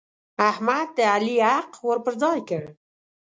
احمد د علي حق ور پر ځای کړ.